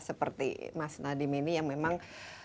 seperti mas nadiem ini yang memang